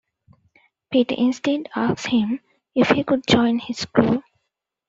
Peter instead asked him if he could join his crew.